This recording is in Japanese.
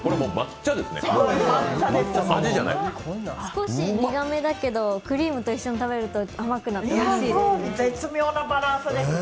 少し苦めだけど、クリームと一緒に食べると甘くなっておいしいですね。